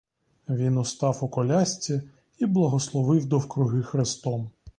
Він устав у колясці і благословив довкруги хрестом.